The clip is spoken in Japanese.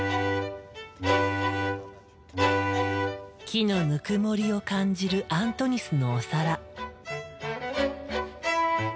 木のぬくもりを感じるアントニスのお皿。